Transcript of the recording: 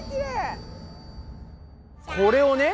これをね